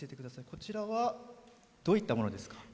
こちらはどういったものですか？